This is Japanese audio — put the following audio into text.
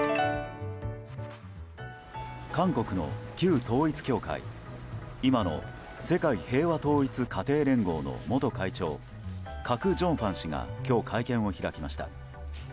韓国の旧統一教会今の世界平和統一家庭連合の元会長カク・ジョンファン氏が今日会見を開きました。